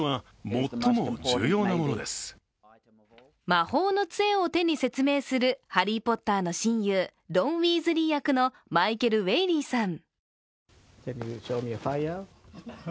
魔法のつえを手に説明するハリー・ポッターの親友・ロン・ウィーズリー役のマイケル・ウェイリーさん。